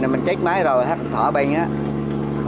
sau là mình check máy rồi hát thở bình